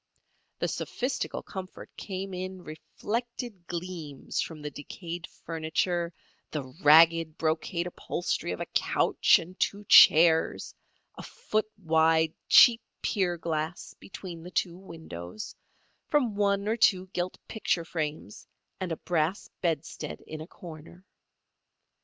The sophistical comfort came in reflected gleams from the decayed furniture, the ragged brocade upholstery of a couch and two chairs, a foot wide cheap pier glass between the two windows, from one or two gilt picture frames and a brass bedstead in a corner.